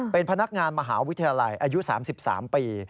เป็นพนักงานมหาวิทยาลัยอายุ๓๓ปี